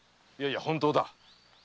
〔いやいや本当だ。